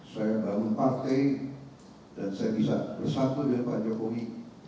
saya bangun partai dan saya bisa bersatu dengan pak jokowi